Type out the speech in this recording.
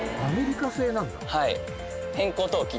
はい。